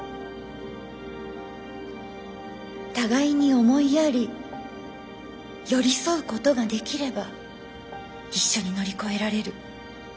「互いに思いやり寄り添うことができれば一緒に乗り越えられる」。